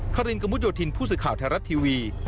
ครินกมุจโยธินผู้สึกข่าวแทนรัฐทีวี